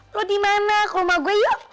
lo dimana ke rumah gue yuk